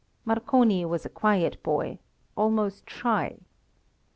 Marconi was a quiet boy almost shy.